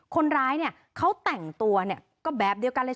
คนร้ายเนี่ยเขาแต่งตัวเนี่ยก็แบบเดียวกันเลย